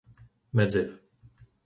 Medzev